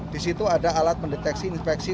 di situ ada alat mendeteksi infeksi